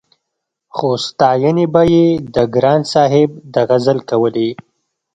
خو ستاينې به يې د ګران صاحب د غزل کولې-